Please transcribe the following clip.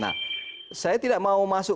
nah saya tidak mau masuk